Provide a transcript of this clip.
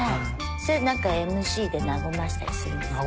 それなんかＭＣで和ましたりするんですか？